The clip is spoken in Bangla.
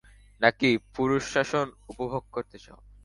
নাকি পুরুষ শাসন উপভোগ করতে চাও?